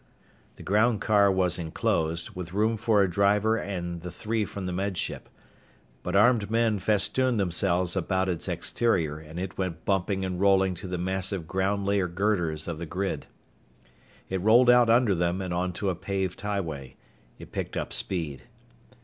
The groundcar was enclosed, with room for a driver and the three from the Med Ship. But armed men festooned themselves about its exterior and it went bumping and rolling to the massive ground layer girders of the grid. It rolled out under them and onto a paved highway. It picked up speed.